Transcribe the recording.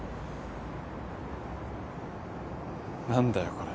何だよ？